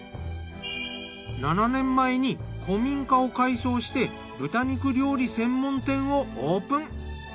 ７年前に古民家を改装して豚肉料理専門店をオープン。